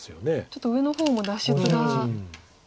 ちょっと上の方も脱出が。